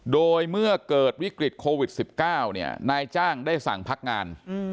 โดยเมื่อเกิดวิกฤตโควิด๑๙นายจ้างได้สั่งพักงาน